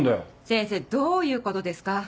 先生どういうことですか？